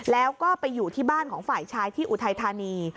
แล้วก็ไปอยู่ที่บ้านของฝ่ายชายที่อุทัยธานี